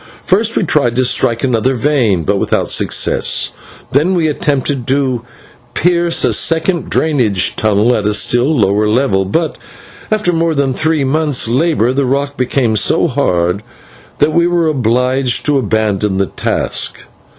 First we tried to strike another vein, but without success; then we attempted to pierce a second drainage tunnel at a still lower level, but, after more than three months' labour, the rock became so hard that we were obliged to abandon the task.